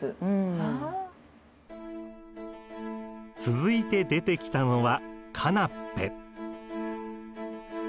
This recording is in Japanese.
続いて出てきたのはカナッペ。